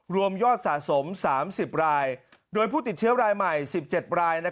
รวมยอดสะสม๓๐รายโดยผู้ติดเชื้อรายใหม่๑๗ราย